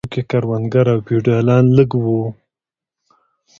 په دغو ځایو کې کروندګر او فیوډالان لږ وو.